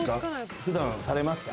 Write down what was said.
普段されますか？